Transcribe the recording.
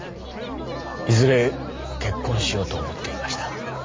いずれ結婚しようと思っていました。